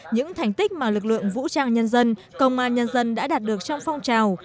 những thành tích mà lực lượng vũ trang nhân dân công an nhân dân đã đạt được trong phong trào